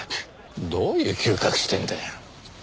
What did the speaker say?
どういう嗅覚してんだよ。